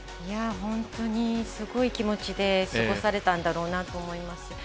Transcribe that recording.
本当にすごい気持ちで過ごされたんだろうなと思います。